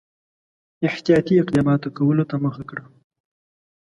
احتیاطي اقداماتو کولو ته مخه کړه.